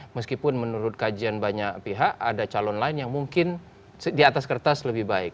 meskipun menurut kajian banyak pihak ada calon lain yang mungkin di atas kertas lebih baik